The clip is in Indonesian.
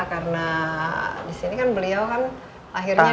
karena di sini kan beliau lahirnya di sini